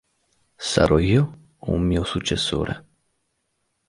Sarò io o un mio successore?